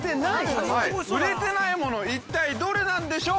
売れてない物、一体どれなんでしょう。